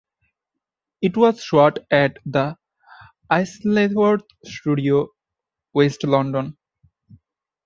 It was shot at the Isleworth Studios in West London.